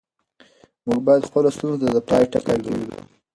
موږ باید خپلو ستونزو ته د پای ټکی کېږدو.